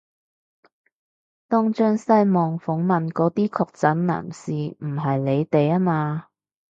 東張西望訪問嗰啲確診男士唔係你哋吖嘛？